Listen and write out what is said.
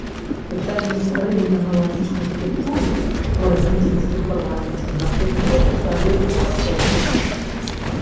Пытанне стварэння аналагічнай структуры ў аргенцінскім парламенце знаходзіцца ў стадыі распрацоўкі.